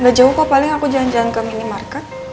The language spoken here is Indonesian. gak jauh kok paling aku jalan jalan ke minimarket